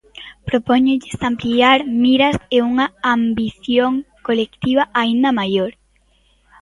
Propóñolles ampliar miras e unha ambición colectiva aínda maior.